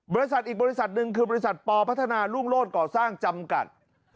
บริษัทอีกบริษัทหนึ่งคือบริษัทปพัฒนารุ่งโลศก่อสร้างจำกัด